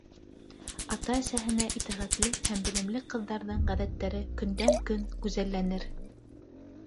Ата-әсәһенә итәғәтле һәм белемле ҡыҙҙарҙың ғәҙәттәре көндән-көн гүзәлләнер.